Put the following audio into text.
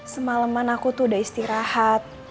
semalaman aku tuh udah istirahat